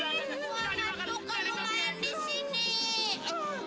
ampun ampun ampun ampun